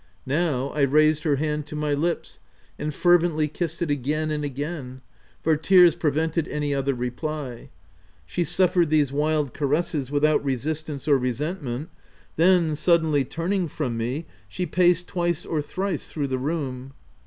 Now, I raised her hand to my lips, and fervently kissed it again and again ; for tears prevented any other reply. She suffered these wild caresses without resistance or resent ment; then, suddenly turning from me, she paced twice or thrice through the room.